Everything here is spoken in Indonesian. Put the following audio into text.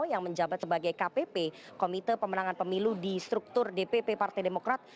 yang menjabat sebagai kpp komite pemenangan pemilu di struktur dpp partai demokrat